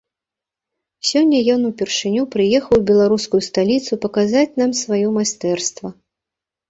Сёння ён упершыню прыехаў у беларускую сталіцу паказаць нам сваё майстэрства.